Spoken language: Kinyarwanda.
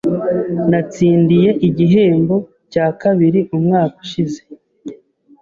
Natsindiye igihembo cya kabiri umwaka ushize.